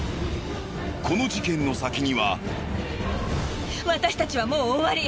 この事件の先には。